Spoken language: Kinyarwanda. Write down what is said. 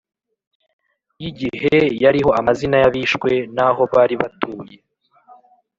y'igihe yariho amazina y'abishwe n'aho bari batuye.